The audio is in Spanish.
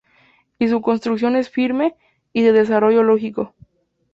Y su construcción es firme y de desarrollo lógico.